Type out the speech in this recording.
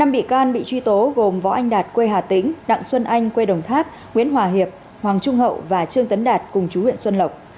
năm bị can bị truy tố gồm võ anh đạt quê hà tĩnh đặng xuân anh quê đồng tháp nguyễn hòa hiệp hoàng trung hậu và trương tấn đạt cùng chú huyện xuân lộc